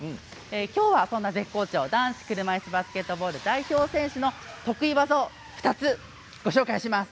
きょうは絶好調男子車いすバスケットボール代表選手の得意技を２つご紹介します。